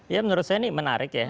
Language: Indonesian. ya menurut saya ini menarik ya